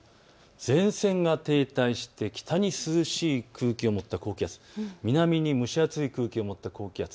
前線が停滞して北に涼しい空気、南に蒸し暑い空気を持った高気圧。